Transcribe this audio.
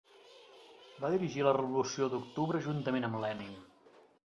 Va dirigir la Revolució d'Octubre juntament amb Lenin.